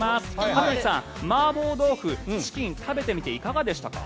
羽鳥さん、マーボー豆腐、チキン食べてみていかがでしたか？